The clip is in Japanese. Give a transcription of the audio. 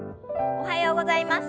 おはようございます。